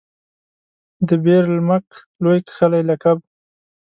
دبیر المک لوی کښلی لقب لري.